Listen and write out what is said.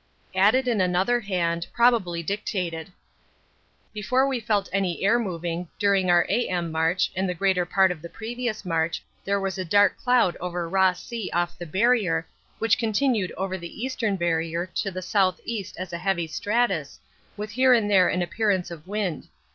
[Added in another hand, probably dictated: Before we felt any air moving, during our A.M. march and the greater part of the previous march, there was dark cloud over Ross Sea off the Barrier, which continued over the Eastern Barrier to the S.E. as a heavy stratus, with here and there an appearance of wind.